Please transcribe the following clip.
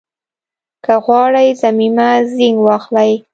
که غواړئ ضمیمه زېنک واخلئ